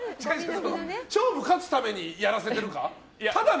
勝負勝つためにやらせてるか？